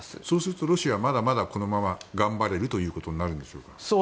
そうするとロシアはまだまだ、このまま頑張れるということになるんでしょうか。